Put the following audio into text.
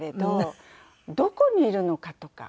どこにいるのかとか。